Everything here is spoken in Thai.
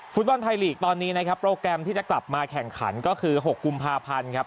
ฟุตบอลไทยลีกตอนนี้นะครับโปรแกรมที่จะกลับมาแข่งขันก็คือ๖กุมภาพันธ์ครับ